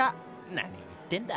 何言ってんだ。